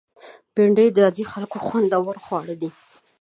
بېنډۍ د عادي خلکو خوندور خواړه دي